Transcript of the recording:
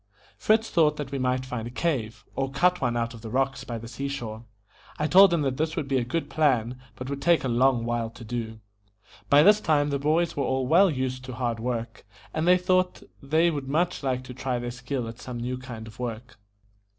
Fritz thought that we might find a cave, or cut one out of the rocks by the sea shore. I told him that this would be a good plan, but would take a long while to do. By this time the boys were all well used to hard work, and they thought they would much like to try their skill at some new kind of work.